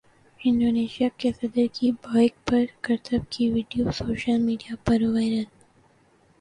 Indonesia کے صدر کی بائیک پر کرتب کی ویڈیو سوشل میڈیا پر وائرل